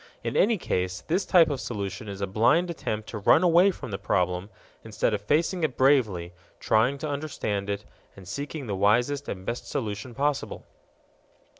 In any case this type of solution is a blind attempt to run away from the problem instead of facing it bravely, trying to understand it, and seeking the wisest and best solution possible.